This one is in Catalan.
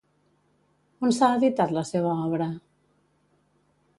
On s'ha editat la seva obra?